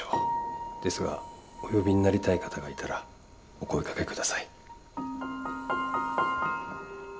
ですがお呼びになりたい方がいたらお声がけ下さい。